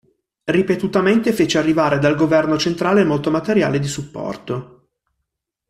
Ripetutamente fece arrivare dal governo centrale molto materiale di supporto.